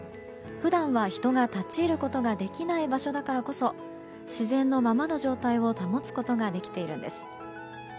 普段は人が立ち入ることができない場所だからこそ自然のままの状態を保つことができているんです。